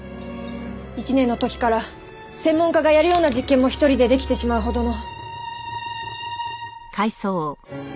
１年の時から専門家がやるような実験も１人でできてしまうほどの。